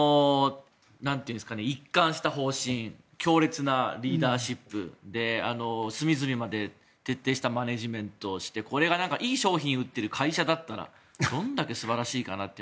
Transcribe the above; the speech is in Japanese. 一貫した方針強烈なリーダーシップで隅々まで徹底したマネジメントをしてこれがいい商品を売っている会社だったらどんだけ素晴らしいかなって。